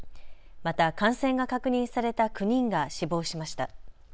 また感染が確認された９人が死亡しました。